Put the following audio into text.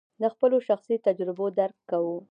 د خپلو شخصي تجربو درک کوو.